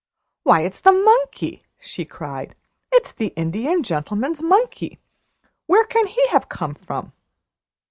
"Why, it's the monkey!" she cried. "It is the Indian Gentleman's monkey! Where can he have come from?"